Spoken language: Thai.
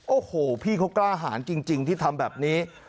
โอ้โหพี่เขากล้าหารจริงที่ทำแบบนี้